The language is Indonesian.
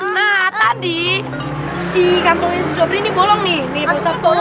nah tadi si kantongnya si sopri ini bolong nih